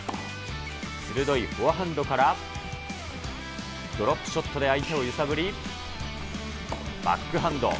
鋭いフォアハンドから、ドロップショットで相手を揺さぶり、バックハンド。